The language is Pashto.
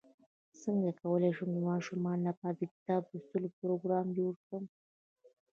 څنګه کولی شم د ماشومانو لپاره د کتاب لوستلو پروګرام جوړ کړم